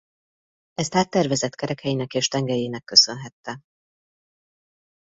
Ezt áttervezett kerekeinek és tengelyének köszönhette.